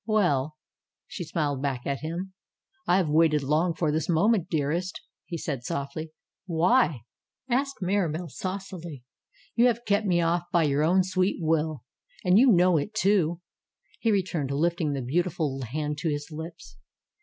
"Well !" she smiled back at him. "I have waited long for this moment, dearest!^' he said softly. "Why?^^ asked Mirahelle saucily. "You have kept me off by your own sweet will. And 120 MIRABELLE you know it, too he returned, lifting the beautiful hand to his lips.